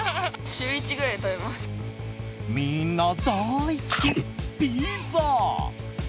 みんな大好き、ピザ。